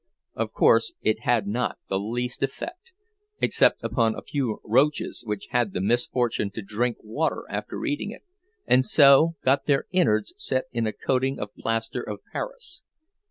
Of course it had not the least effect, except upon a few roaches which had the misfortune to drink water after eating it, and so got their inwards set in a coating of plaster of Paris.